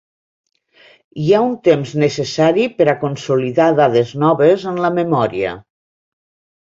Hi ha un temps necessari per a consolidar dades noves en la memòria.